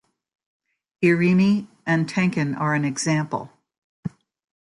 Irimi and tenkan are an example.